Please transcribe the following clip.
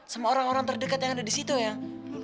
sama orang orang terdekat yang ada di situ yang